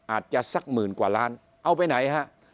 สักหมื่นกว่าล้านเอาไปไหนฮะ